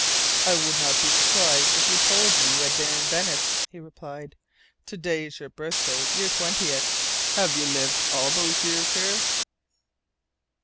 "I would not be surprised if you told me you had been in Venice," he replied. "To day is your birthday your twentieth. Have you lived all those years here?"